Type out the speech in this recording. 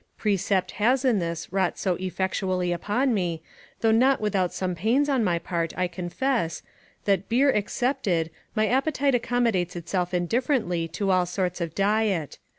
Precept has in this wrought so effectually upon me, though not without some pains on my part, I confess, that beer excepted, my appetite accommodates itself indifferently to all sorts of diet.